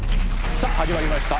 さぁ始まりました